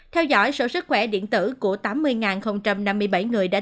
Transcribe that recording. theo dõi số sức khỏe điện tử của tám mươi năm mươi bảy người đã tiêm mũi thứ hai